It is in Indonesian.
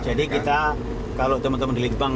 jadi kita kalau teman teman di litbang